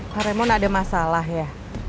pak remon ada masalah ya